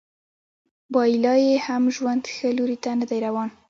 وايي لا یې هم ژوند ښه لوري ته نه دی روان